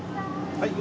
はい。